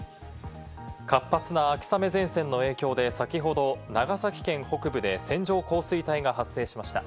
活発な秋雨前線の影響で先ほど長崎県北部で線状降水帯が発生しました。